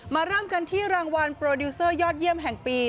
เริ่มกันที่รางวัลโปรดิวเซอร์ยอดเยี่ยมแห่งปี